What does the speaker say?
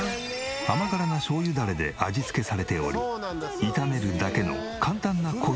甘辛なしょう油ダレで味付けされており炒めるだけの簡単なコスられ人気商品なのだが。